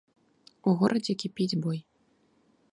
У горадзе кіпіць бой.